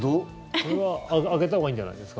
それは上げたほうがいいんじゃないですか？